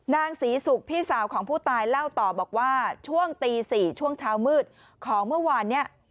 นางศรีศุกร์พี่สาวของผู้ตายเล่าต่อบอกว่าช่วงตี๔ช่วงเช้ามืดของเมื่อวานเนี่ย